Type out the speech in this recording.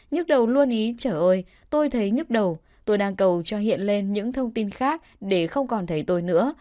nhức đầu luôn ý trở ơi tôi thấy nhức đầu tôi đang cầu cho hiện lên những thông tin khác để không còn thấy tôi nữa